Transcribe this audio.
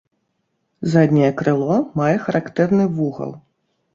Задняе крыло мае характэрны вугал.